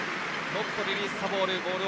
ノットリリースザボール。